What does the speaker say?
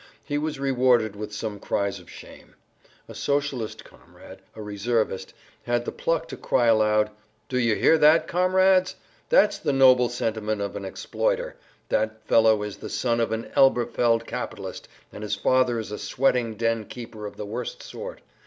He was rewarded with some cries of shame. A Socialist comrade, a reservist, had the pluck to cry aloud, "Do you hear that, comrades? That's the noble sentiment of an exploiter; that fellow is the son of an Elberfeld capitalist and his father is a sweating den keeper of the worst sort.